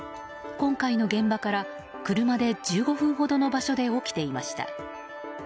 今回の現場から車で１５分ほどの場所で起きていました。